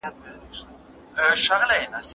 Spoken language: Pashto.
موږ کولای شو د روغتیا کنټرول له اوسه پیل کړو.